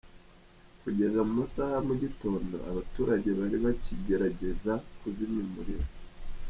Kugeza mu masaha ya mu gitondo, abaturage bari bakigerageza kuzimya umuriro.